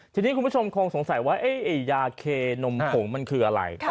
ทีนี้คุณผู้ชมคงสงสัยว่ายาเคนมผงมันคืออะไร